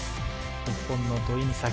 日本の土居美咲